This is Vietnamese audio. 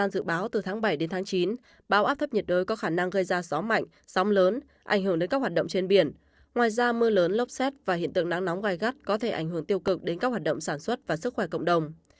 dự báo từ tháng bảy đến tháng chín bão áp thấp nhiệt đới có khả năng gây ra gió mạnh sóng lớn ảnh hưởng đến các hoạt động trên biển ngoài ra mưa lớn lốc xét và hiện tượng nắng nóng gai gắt có thể ảnh hưởng tiêu cực đến các hoạt động sản xuất và sức khỏe cộng đồng